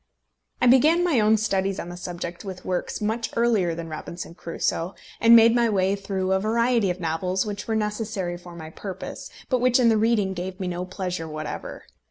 I began my own studies on the subject with works much earlier than Robinson Crusoe, and made my way through a variety of novels which were necessary for my purpose, but which in the reading gave me no pleasure whatever.